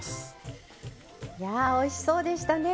いやおいしそうでしたね。